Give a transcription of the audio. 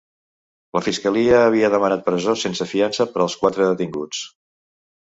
La fiscalia havia demanat presó sense fiança per als quatre detinguts.